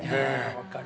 分かる。